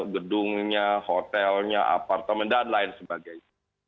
gedungnya hotelnya apartemen dan lain sebagainya